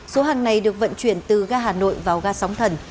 số hàng này được vận chuyển từ ga hà nội vào ga sóng thần